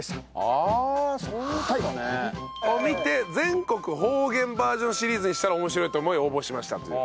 ああそういう事ね。を見て全国方言バージョンシリーズにしたら面白いと思い応募しましたという。